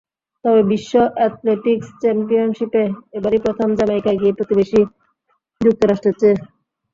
তবে বিশ্ব অ্যাথলেটিকস চ্যাম্পিয়নশিপে এবারই প্রথম জ্যামাইকা এগিয়ে প্রতিবেশী যুক্তরাষ্ট্রের চেয়ে।